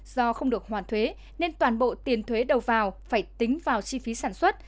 do không được hoàn thuế nên toàn bộ tiền thuế đầu vào phải tính vào chi phí sản xuất